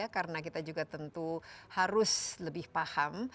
karena kita juga tentu harus lebih paham